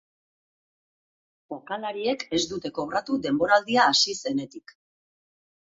Jokalariek ez dute kobratu denboraldia hasi zenetik.